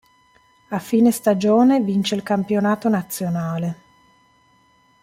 A fine stagione vince il campionato nazionale.